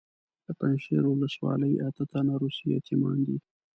د پنجشیر ولسوالۍ اته تنه روسي یتیمان دي.